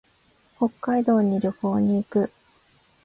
北海道に旅行に行く。